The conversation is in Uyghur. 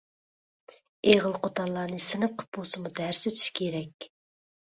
ئېغىل قوتانلارنى سىنىپ قىلىپ بولسىمۇ دەرس ئۆتۈش كېرەك.